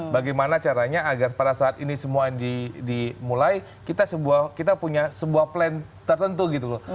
bagaimana caranya agar pada saat ini semua dimulai kita punya sebuah plan tertentu gitu loh